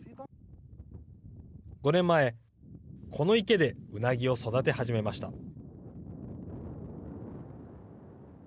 ５年前この池でうなぎを育て始めました。